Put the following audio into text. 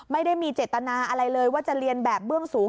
ไม่ได้มีเจตนาอะไรเลยว่าจะเรียนแบบเบื้องสูง